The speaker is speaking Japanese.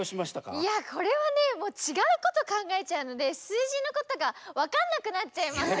いやこれはねもうちがうことかんがえちゃうのですうじのことがわかんなくなっちゃいましたね。